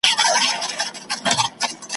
زړه یې ووتی له واکه نا آرام سو ,